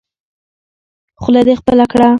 خوله دې خپله کړه.